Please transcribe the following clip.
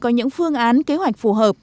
có những phương án kế hoạch phù hợp